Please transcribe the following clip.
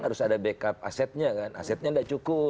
harus ada backup asetnya kan asetnya tidak cukup